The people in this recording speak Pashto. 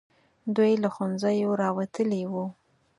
دوی له ښوونځیو راوتلي وو.